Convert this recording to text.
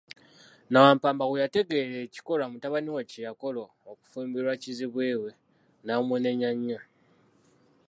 Nnawampamba bwe yategeera ekikolwa mutabani we kye yakola okufumbirwa kizibwe we, n'amunenya nnyo.